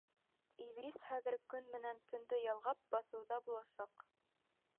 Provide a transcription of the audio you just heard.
Иҙрис хәҙер көн менән төндө ялғап баҫыуҙа буласаҡ.